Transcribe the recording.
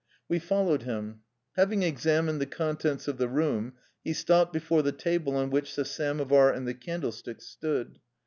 We followed him. Having ex amined the contents of the room, he stopped be fore the table on which the samovar and the candlesticks stood.